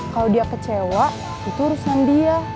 kalau dia kecewa itu urusan dia